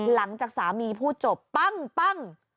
หลังจากสามีพูดจบปั้ง